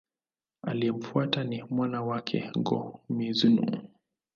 Aliyemfuata ni mwana wake, Go-Mizunoo.